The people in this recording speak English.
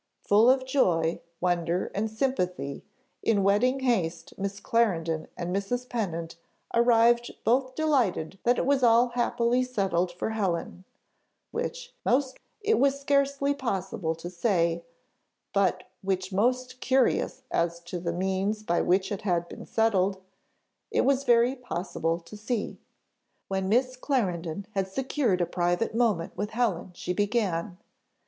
Full of joy, wonder, and sympathy, in wedding haste Miss Clarendon and Mrs. Pennant arrived both delighted that it was all happily settled for Helen: which most, it was scarcely possible to say; but which most curious as to the means by which it had been settled, it was very possible to see. When Miss Clarendon had secured a private moment with Helen, she began.